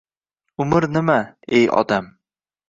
— Umr nima, ey odam?